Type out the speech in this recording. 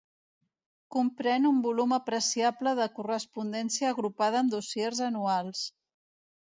Comprèn un volum apreciable de correspondència agrupada en dossiers anuals.